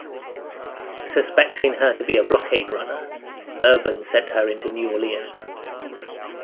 Suspecting her to be a blockade runner, Erben sent her in to New Orleans.